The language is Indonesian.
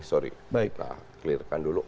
kita clearkan dulu